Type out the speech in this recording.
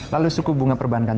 lalu suku bunga perbankan